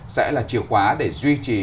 sẽ là chiều khóa để duy trì